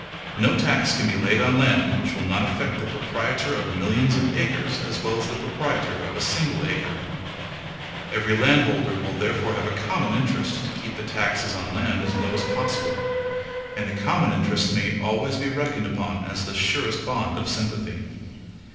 No tax can be laid on land which will not affect the proprietor of millions of acres as well as the proprietor of a single acre. Every landholder will therefore have a common interest to keep the taxes on land as low as possible; and common interest may always be reckoned upon as the surest bond of sympathy.